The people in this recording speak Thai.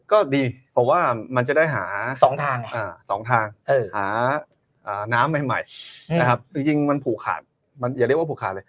ก็ดีเพราะว่ามันจะได้หา๒ทาง๒ทางหาน้ำใหม่นะครับจริงมันผูกขาดมันอย่าเรียกว่าผูกขาดเลย